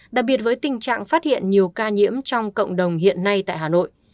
đặc biệt với tình trạng phát hiện nhiều ca nhiễm trong cộng đồng hiện nay tại hà nội